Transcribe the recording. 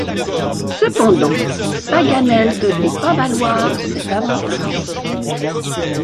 Cependant, Paganel ne fit pas valoir cet avantage.